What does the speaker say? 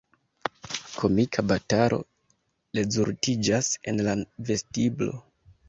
Komika batalo rezultiĝas en la vestiblo.